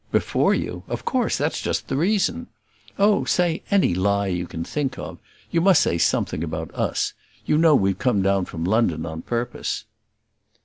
"Before you! of course; that's just the reason. Oh, say any lie you can think of; you must say something about us. You know we've come down from London on purpose."